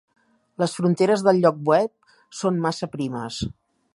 Les fronteres del lloc web són massa primes.